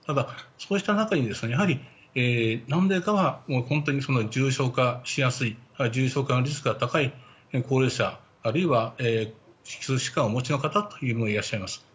そうした中、何例かは重症化しやすいあるいは重症化のリスクが高い高齢者あるいは基礎疾患をお持ちの方もいらっしゃいます。